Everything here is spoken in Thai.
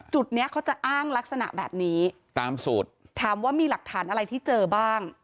จุดเนี้ยเขาจะอ้างลักษณะแบบนี้ตามสูตรถามว่ามีหลักฐานอะไรที่เจอบ้าง